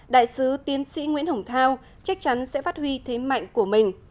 đại sứ tiến sĩ nguyễn hồng thao chắc chắn sẽ phát huy thế mạnh của mình